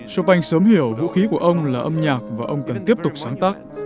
chopin sớm hiểu vũ khí của ông là âm nhạc và ông cần tiếp tục sáng tác